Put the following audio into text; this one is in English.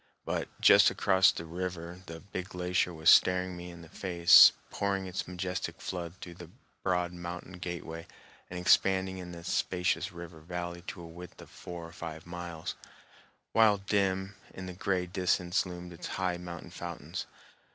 But just across the river the "Big Glacier" was staring me in the face, pouring its majestic flood through a broad mountain gateway and expanding in the spacious river valley to a width of four or five miles, while dim in the gray distance loomed its high mountain fountains.